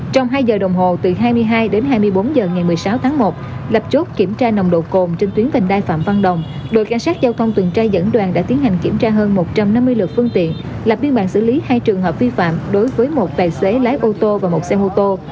trong hai giờ đồng hồ từ hai mươi hai đến hai mươi bốn h ngày một mươi sáu tháng một lập chốt kiểm tra nồng độ cồn trên tuyến vành đai phạm văn đồng đội cảnh sát giao thông tuần tra dẫn đoàn đã tiến hành kiểm tra hơn một trăm năm mươi lượt phương tiện lập biên bản xử lý hai trường hợp vi phạm đối với một tài xế lái ô tô và một xe mô tô